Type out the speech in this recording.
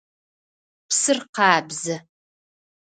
Псыр къабзэ.